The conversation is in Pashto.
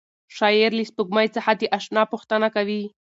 شاعر له سپوږمۍ څخه د اشنا پوښتنه کوي.